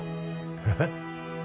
えっ？